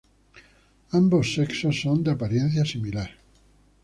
Ambos sexos son de apariencia similar.